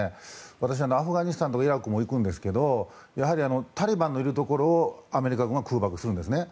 私はアフガニスタンとイラクも行くんですけどやはり、タリバンのいるところをアメリカ軍は空爆するんですね。